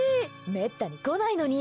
めったに来ないのに。